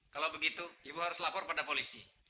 kalau begitu ibu harus lapor pada polisi